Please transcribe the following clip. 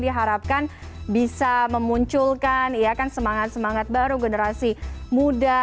diharapkan bisa memunculkan semangat semangat baru generasi muda